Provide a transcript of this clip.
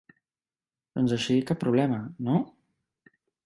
Doncs així cap problema, no?